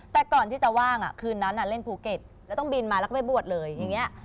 แต่ก่อนที่จะว่างคืนนั้นเล่นภูเก็ตแล้วต้องบินมาแล้วก็ไปบวชเลยอย่างนี้